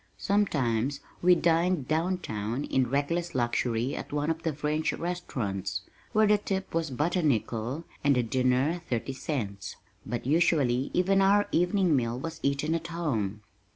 Sometimes we dined down town in reckless luxury at one of the French restaurants, "where the tip was but a nickel and the dinner thirty cents," but usually even our evening meal was eaten at home.